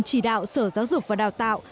chỉ đạo sở giáo dục và đào tạo